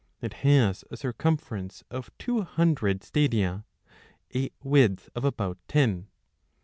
836 It has a circumference of two hundred stadia, a width of about ten.